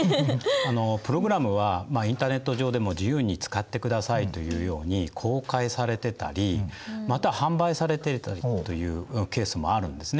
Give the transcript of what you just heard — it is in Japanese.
プログラムはインターネット上でも自由に使ってくださいというように公開されてたりまたは販売されてたりというケースもあるんですね。